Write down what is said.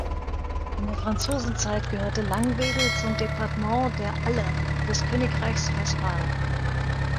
In der Franzosenzeit gehörte Langwedel zum Departement der Aller des Königreichs Westphalen.